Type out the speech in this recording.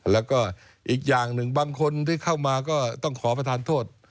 แล้วก็อีกอย่างหนึ่งบางคนที่เข้ามาก็ต้องขอประทานโทษ